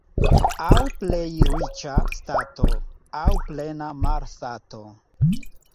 Aŭ plej riĉa stato, aŭ plena malsato.